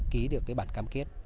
ký được cái bản cam kết